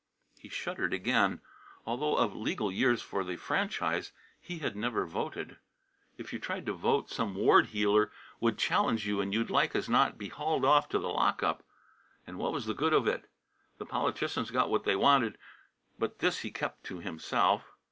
He shuddered again. Although of legal years for the franchise, he had never voted. If you tried to vote some ward heeler would challenge you and you'd like as not be hauled off to the lock up. And what was the good of it! The politicians got what they wanted. But this he kept to himself.